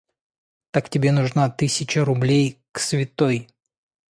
Так тебе нужна тысяча рублей к Святой.